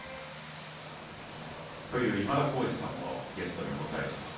今田耕司さんをゲストにお迎えします。